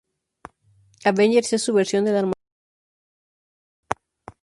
Avengers en su versión de la armadura Iron Patriot.